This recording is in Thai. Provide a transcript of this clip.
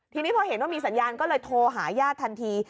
ทีนี้พอเห็นว่ามีสัญญาณก็เลยโทรหาญาติทันที